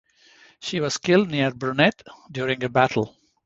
She was killed near Brunete during a battle.